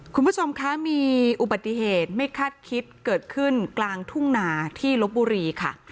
คุณผู้ชมคะมีอุบัติเหตุไม่คาดคิดเกิดขึ้นกลางทุ่งนาที่ลบบุรีค่ะ